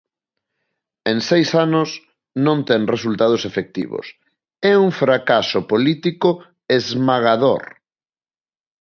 En seis anos non ten resultados efectivos, é un fracaso político esmagador.